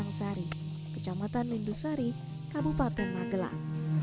di dusun peringasan bambu desa pasang sari kabupaten magelang